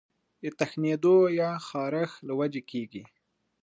د تښنېدو يا خارښ له وجې کيږي